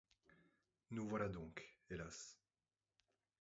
Nous voilà donc, hélas !